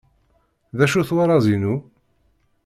D acu-t warraz-inu?